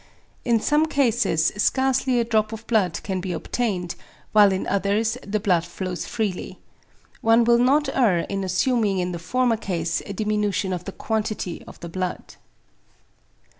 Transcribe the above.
In some cases scarcely a drop of blood can be obtained, while in others the blood flows freely. One will not err in assuming in the former case a diminution of the quantity of the blood.